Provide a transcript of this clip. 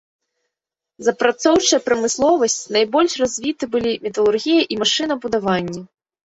З апрацоўчай прамысловасць найбольш развіты былі металургія і машынабудаванне.